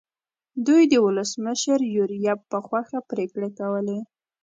دوی د ولسمشر یوریب په خوښه پرېکړې کولې.